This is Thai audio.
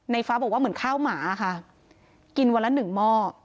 ฟ้าบอกว่าเหมือนข้าวหมาค่ะกินวันละหนึ่งหม้อ